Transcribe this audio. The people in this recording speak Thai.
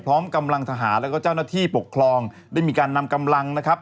พร้อมกำลังทหารแล้วก็เจ้าหน้าที่ปกครองได้มีการนำกำลังนะครับ